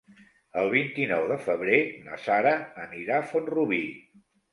El vint-i-nou de febrer na Sara anirà a Font-rubí.